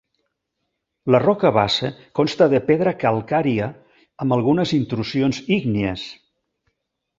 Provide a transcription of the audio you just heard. La roca base consta de pedra calcària amb algunes intrusions ígnies.